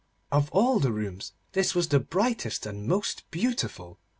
Of all the rooms this was the brightest and the most beautiful.